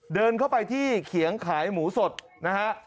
เดินเข้าไปที่เขียงขายหมูสดนะฮะ